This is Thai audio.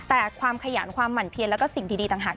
แต่ความขยันความหมั่นเพียนแล้วก็สิ่งดีต่างหาก